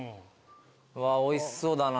うわおいしそうだな。